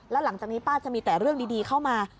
แล้วหลังจากนี้ป้าจะมีแต่เรื่องดีเข้ามา